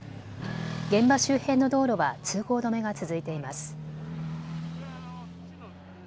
現場周辺の道路は通行止めが続いています。